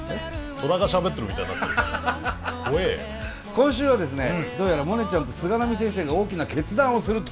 今週はですねどうやらモネちゃんと菅波先生が大きな決断をすると！